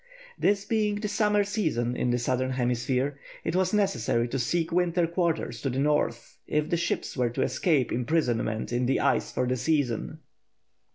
This being the summer season in the southern hemisphere, it was necessary to seek winter quarters to the north if the ships were to escape imprisonment in the ice for the season.